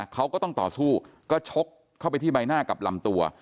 เขาก็ต้องต่อสู้ก็ชกเข้าไปที่ใบหน้ากับลำตัว